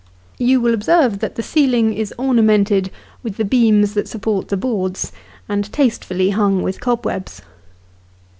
You will observe that the ceiling is ornamented with the beams that support the boards, and tastefully hung with cobwebs.